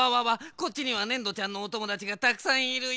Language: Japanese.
こっちにはねんどちゃんのおともだちがたくさんいるよ。